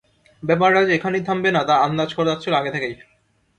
ব্যাপারটা যে এখানেই থামবে না, তা আন্দাজ করা যাচ্ছিল আগে থেকেই।